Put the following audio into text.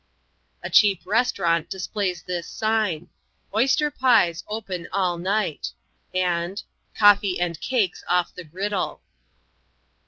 A cheap restaurant displays this sign: "Oyster pies open all night," and "Coffee and cakes off the griddle."